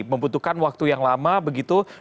membutuhkan waktu yang lama begitu